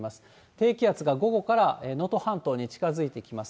低気圧が午後から能登半島に近づいてきます。